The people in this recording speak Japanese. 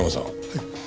はい。